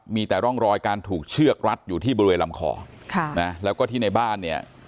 มีแต่ร่องรอยการถูกเชือกรัดอยู่ที่บริเวณลำคอค่ะนะแล้วก็ที่ในบ้านเนี่ย